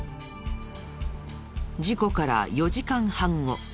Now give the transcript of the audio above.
事故から４時間半後。